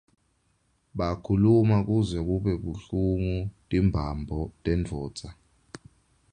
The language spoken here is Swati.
Bakhuluma kuze kube buhlungu timbambo tendvodza.